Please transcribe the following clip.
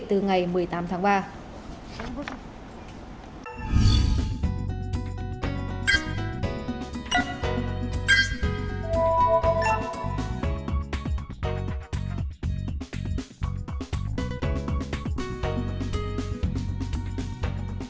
công dân ukraine kể từ ngày một mươi tám tháng ba